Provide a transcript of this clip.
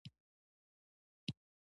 افغانستان د زغال لپاره مشهور دی.